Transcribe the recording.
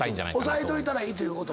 押さえといたらいいということ？